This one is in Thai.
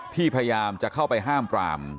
พยายามจะเข้าไปห้ามปราม